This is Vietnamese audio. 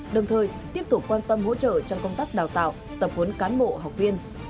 đồng thời tiếp tục quan tâm hỗ trợ trong công tác đào tạo tập huấn cán bộ học viên